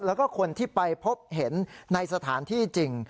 แล้วก็คนที่ไปพบเห็นในสถานที่จริง